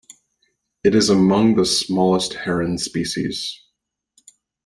It is among the smallest heron species.